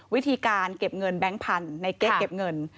วิธีการเก็บเงินแบงค์พันธุ์ในเก๊กเก็บเงิน